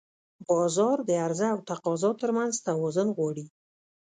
بازار د عرضه او تقاضا ترمنځ توازن غواړي.